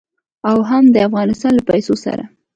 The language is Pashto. او هم د افغانستان له پوليسو سره.